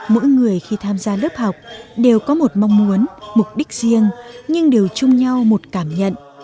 mỗi người khi tham gia lớp học đều có một mong muốn mục đích riêng nhưng đều chung nhau một cảm nhận